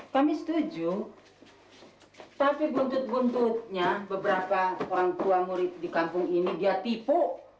kami setuju tapi buntut buntutnya beberapa orang tua murid di kampung ini dia tipu